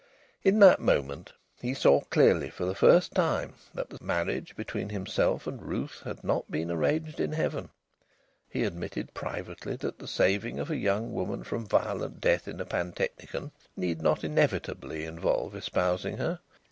In that moment he saw clearly for the first time that the marriage between himself and Ruth had not been arranged in Heaven. He admitted privately then that the saving of a young woman from violent death in a pantechnicon need not inevitably involve espousing her.